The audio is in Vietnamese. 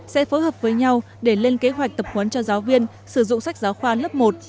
sẽ phối hợp với nhau để lên kế hoạch tập huấn cho giáo viên sử dụng sách giáo khoa lớp một